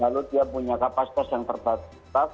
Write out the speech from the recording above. lalu dia punya kapasitas yang terbatas